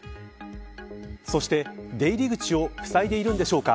そして出入り口をふさいでいるんでしょうか。